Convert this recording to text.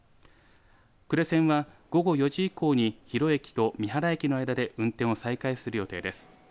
呉線は午後４時以降に広駅と三原駅の間で運転を再開する予定です。